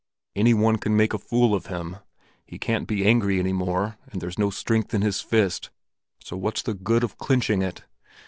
Any one can make a fool of him. He can't be angry any more, and there's no strength in his fist, so what's the good of clenching it!